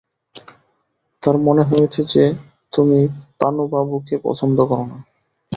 তাঁর মনে হয়েছে যে, তুমি পানুবাবুকে পছন্দ কর না।